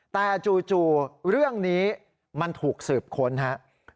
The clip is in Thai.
แต่จู่เรื่องนี้มันถูกสืบค้นครับ